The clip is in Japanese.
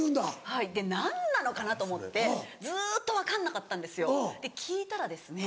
はいで何なのかなと思ってずっと分かんなかったんですよで聞いたらですね